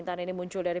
iya ketemu lagi